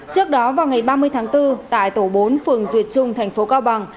trước đó vào ngày ba mươi tháng bốn tại tổ bốn phường duyệt trung tp cao bằng